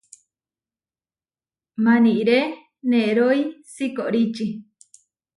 Maníre nerói sikoríči.